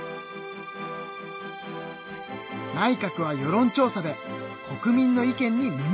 内閣は世論調査で国民の意見に耳をかたむける。